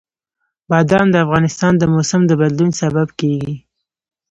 بادام د افغانستان د موسم د بدلون سبب کېږي.